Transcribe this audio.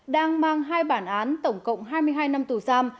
đang mang hai bản án tổng cộng hai mươi hai năm tù giam